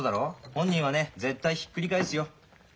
本人はね絶対ひっくり返すよ。